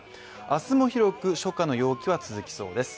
明日も広く初夏の陽気は続きそうです。